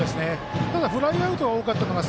ただ、フライアウトは多かったかな。